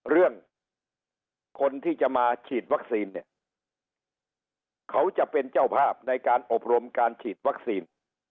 เรื่องคนที่จะมาฉีดวัคซีนเนี่ยเขาจะเป็นเจ้าภาพในการอบรมการฉีดวัคซีน